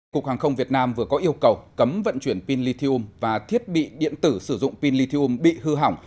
cục hàng không việt nam vừa có yêu cầu cấm vận chuyển pin lithium và thiết bị điện tử sử dụng pin lithium bị hư hỏng